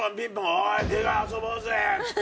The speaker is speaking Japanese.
「おい出川遊ぼうぜ！」っつって。